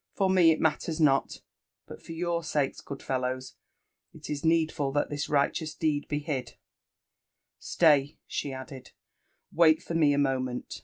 — For me it matters not ; but for your sakes, good fellows, it is needful that this righteous deed be hid —Stayl" she added; ♦' wait for me a moment."